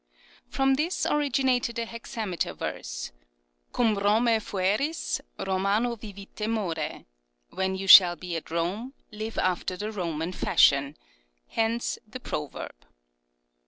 From this originated a hexameter verse :" Cum Romae fueris, Romano vivite more "(" When you shall be at Rome, live after the Roman fashion "); hence the proverb.